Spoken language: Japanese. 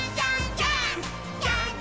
ジャンプ！！」